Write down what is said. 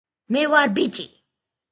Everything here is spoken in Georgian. მე ვარ ბიჭი